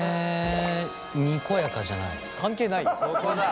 関係ないよ。